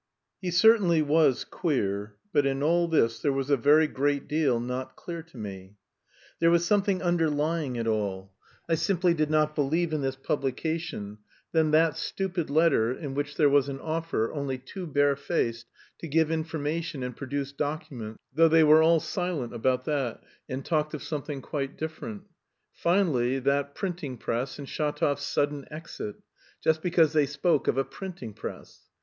III He certainly was queer, but in all this there was a very great deal not clear to me. There was something underlying it all. I simply did not believe in this publication; then that stupid letter, in which there was an offer, only too barefaced, to give information and produce "documents," though they were all silent about that, and talked of something quite different; finally that printing press and Shatov's sudden exit, just because they spoke of a printing press.